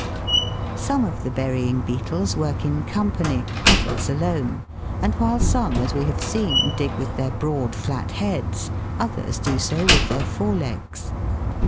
Some of the burying beetles work in company, others alone, and while some, as we have seen, dig with their broad flat heads, others do so with their fore legs.